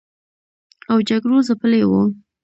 او جګړو ځپلي و